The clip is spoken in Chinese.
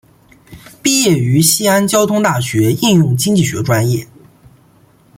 毕业于西安交通大学应用经济学专业。